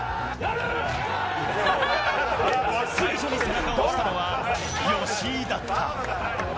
最初に背中を押したのは、吉井だった。